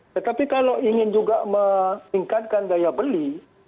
tetapi kalau ingin juga meningkatkan daya beli